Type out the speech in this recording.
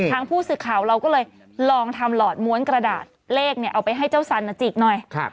ทางผู้สื่อข่าวเราก็เลยลองทำหลอดม้วนกระดาษเลขเอาไปให้เจ้าสันจิกหน่อย